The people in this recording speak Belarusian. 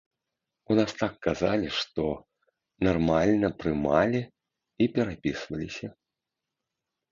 У нас так казалі, што нармальна прымалі і перапісваліся.